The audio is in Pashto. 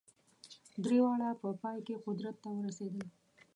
درې واړه په پای کې قدرت ته ورسېدل.